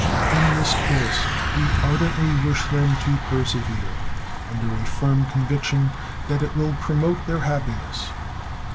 In this course we ardently wish them to persevere, under a firm conviction that it will promote their happiness.